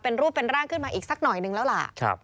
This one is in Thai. เป็นรูปเป็นร่างขึ้นมาอีกสักหน่อยนึงแล้วล่ะ